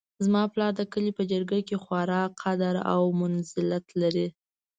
زما پلار د کلي په جرګه کې خورا قدر او منزلت لري